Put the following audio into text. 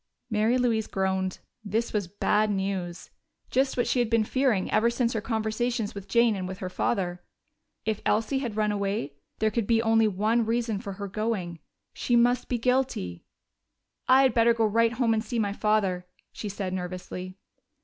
Mary Louise groaned. This was bad news just what she had been fearing ever since her conversations with Jane and with her father. If Elsie had run away, there could be only one reason for her going: she must be guilty! "I had better go right home and see my father," she said nervously.